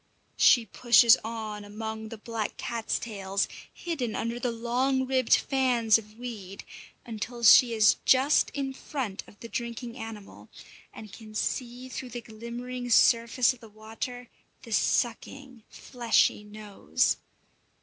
She pushes on among the black cat's tails, hidden under the long ribbed fans of weed, until she is just in front of the drinking animal, and can see through the glimmering surface of the water the sucking, fleshy nose.